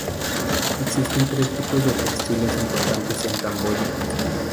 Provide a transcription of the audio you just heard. Existen tres tipos de textiles importantes en Camboya.